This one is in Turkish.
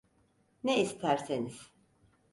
Ne isterseniz.